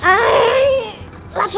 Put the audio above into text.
kalian gak akan nye